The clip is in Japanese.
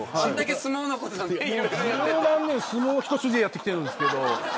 相撲一筋でやってきてるんですけど。